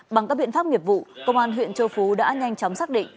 bằng các biện pháp nghiệp vụ công an huyện châu phú đã nhanh chóng xác định